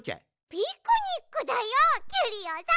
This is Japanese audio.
ピクニックだよキュリオさん！